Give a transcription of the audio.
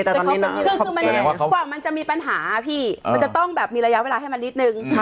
คือมันกว่ามันจะมีปัญหาพี่มันจะต้องแบบมีระยะเวลาให้มันนิดนึง